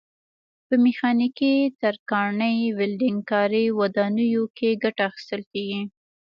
په میخانیکي، ترکاڼۍ، ولډنګ کاري، ودانیو کې ګټه اخیستل کېږي.